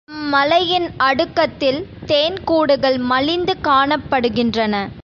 அம்மலையின் அடுக்கத்தில் தேன் கூடுகள் மலிந்து காணப்படுகின்றன.